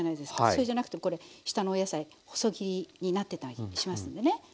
それじゃなくてもこれ下のお野菜細切りになってたりしますんでね。